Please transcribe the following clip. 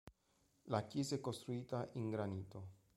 La chiesa è costruita in granito.